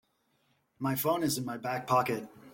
My phone is in my back pocket.